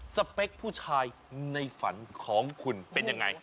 สเปคผู้ชายในฝันของคุณเป็นยังไง